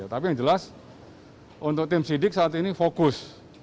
tapi yang jelas untuk tim sidik saat ini fokus